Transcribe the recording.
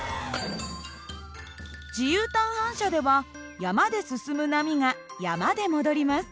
自由端反射では山で進む波が山で戻ります。